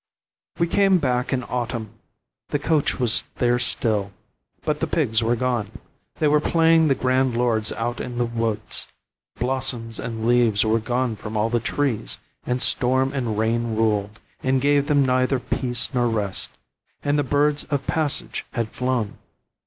We came back in autumn. The coach was there still, but the pigs were gone. They were playing the grand lords out in the woods. Blossoms and leaves were gone from all the trees, and storm and rain ruled, and gave them neither peace nor rest; and the birds of passage had flown.